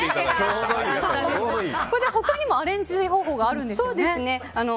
他にもアレンジ方法があるんですよね。